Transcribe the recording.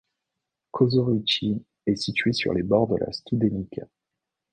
Kosurići est situé sur les bords de la Studenica.